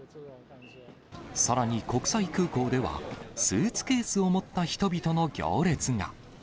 さらに国際空港では、スーツケースを持った人々の行列が。